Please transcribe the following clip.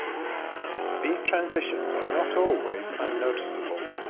These transitions are not always unnoticeable.